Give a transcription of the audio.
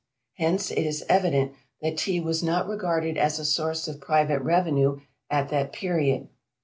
Hence, it is evident that Tea was not regarded as a source of private revenue at that period.